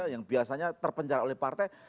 yang biasanya terpenjara oleh partai